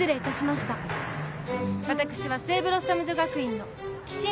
私は聖ブロッサム女学院の岸里樹理。